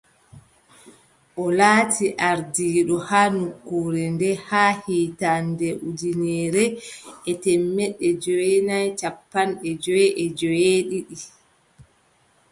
O laati o ardiiɗo haa nokkure nde haa hitaande ujineere e temeɗɗe joweenay cappanɗe jowi e joweeɗiɗi.